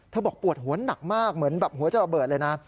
บอกปวดหัวหนักมากเหมือนแบบหัวจะระเบิดเลยนะ